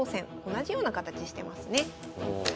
同じような形してますね。